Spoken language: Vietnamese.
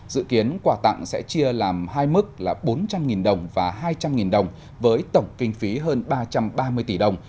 dự kiến quà tặng sẽ chia làm hai mức là bốn trăm linh đồng và hai trăm linh đồng với tổng kinh phí hơn ba trăm ba mươi tỷ đồng